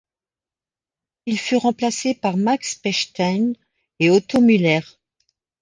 Il fut remplacé par Max Pechstein et Otto Mueller.